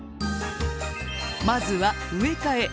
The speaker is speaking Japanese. まずは植え替え。